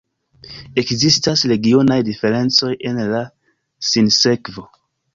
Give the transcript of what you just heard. Ekzistas regionaj diferencoj en la sinsekvo.